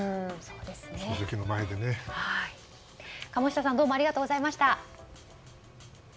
鴨下さんどうもありがとうございました。